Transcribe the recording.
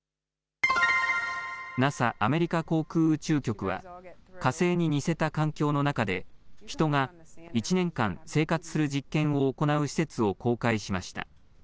ＮＡＳＡ・アメリカ航空宇宙局は火星に似せた環境の中で人が１年間生活する実験を行う施設を公開しました。